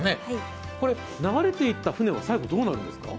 これ流れていった舟は最後どうなるんですか？